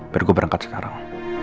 biar gue berangkat sekarang